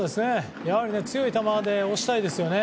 やはり強い球で押したいですよね。